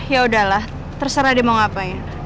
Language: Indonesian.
ya udahlah terserah dia mau ngapain